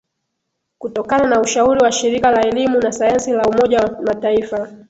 kutokana na ushauri wa shirika la elimu na sayansi la umoja wa mataifa